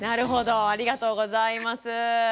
ありがとうございます。